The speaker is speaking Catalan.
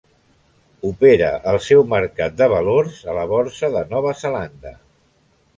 Opera el seu mercat de valors a la Borsa de Nova Zelanda.